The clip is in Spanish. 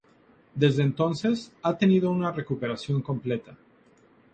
Desde entonces ha tenido una recuperación completa.